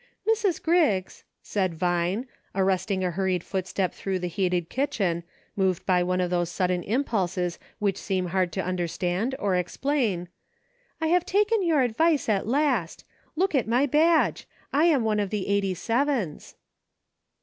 "Mrs. Grigg's," said Vine, arresting a hurried footstep through the heated kitchen, moved by one of those sudden impulses which seem hard to un derstand or explain, " I have taken your advice at last ; look at my badge ! I am one of the Eighty sevens."